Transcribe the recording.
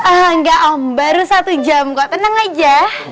enggak om baru satu jam kok tenang aja